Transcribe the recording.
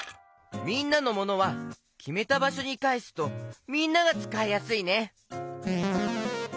みんなのモノはきめたばしょにかえすとみんながつかいやすいね！